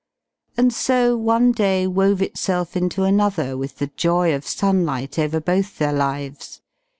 And so one day wove itself into another with the joy of sunlight over both their lives.